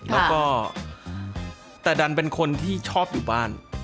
แล้วก็แต่ดันเป็นคนที่ชอบอยู่บ้าน